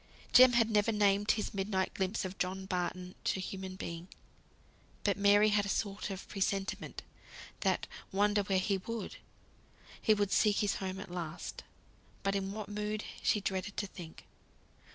Jem had never named his midnight glimpse of John Barton to human being; but Mary had a sort of presentiment that wander where he would, he would seek his home at last. But in what mood she dreaded to think.